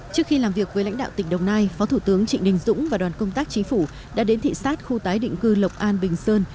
trước khi làm việc với lãnh đạo tỉnh đồng nai phó thủ tướng trịnh đình dũng và đoàn công tác chính phủ đã đến thị xát khu tái định cư lộc an bình sơn